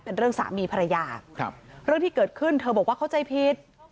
เรื่องสามีภรรยาครับเรื่องที่เกิดขึ้นเธอบอกว่าเข้าใจผิด